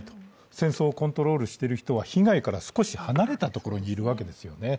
戦争をコントロールしている人は被害から少し離れた所にいるわけですよね。